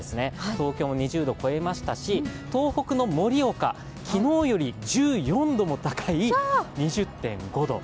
東京も２０度を超えましたし東北の盛岡、昨日より１４度も高い２０．５度。